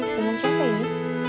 dengan siapa ini